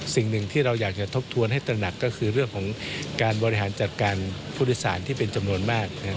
สิ่งหนึ่งที่เราอยากจะทบทวนให้ตระหนักก็คือเรื่องของการบริหารจัดการผู้โดยสารที่เป็นจำนวนมาก